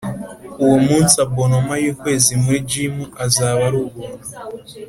uwo munsi; abonnement y’ukwezi muri Gym azaba arubuntu